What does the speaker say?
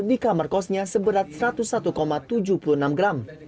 di kamar kosnya seberat satu ratus satu tujuh puluh enam gram